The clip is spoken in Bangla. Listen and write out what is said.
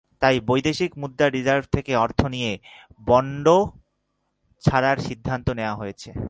তাই বৈদেশিক মুদ্রার রিজার্ভ থেকে অর্থ নিয়ে বন্ড ছাড়ার সিদ্ধান্ত নেওয়া হয়েছে।